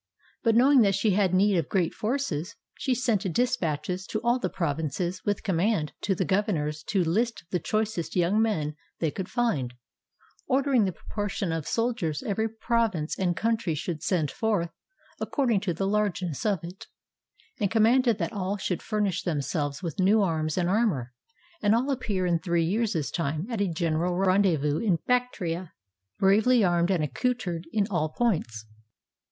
But know ing that she had need of great forces, she sent dispatches to all the provinces with command to the governors to list the choicest young men they could find, ordering the proportion of soldiers every province and country should send forth, according to the largeness of it; and commanded that all should furnish themselves with new arms and armor, and all appear in three years' time at a general rendezvous in Bactria, bravely armed and accoutered in all points.